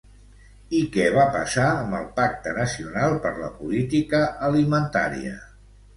I què va passar amb el Pacte Nacional per la Política Alimentària?